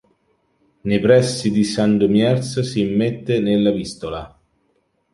Nei pressi di Sandomierz si immette nella Vistola.